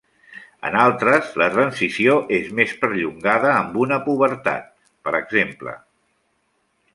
En altres la transició és més perllongada amb una pubertat, per exemple.